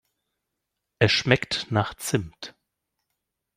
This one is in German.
Es schmeckt nach Zimt.